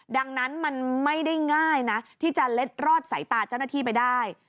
ดังนั้นมันไม่ได้ง่ายนะที่จะเล็ดรอดสายตาเจ้าหน้าที่ไปได้